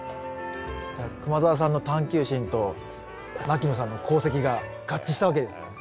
じゃあ熊澤さんの探究心と牧野さんの功績が合致したわけですね。